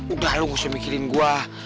udah lu nggak usah mikirin gue